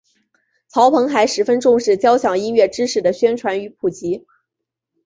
曹鹏还十分重视交响音乐知识的宣传与普及。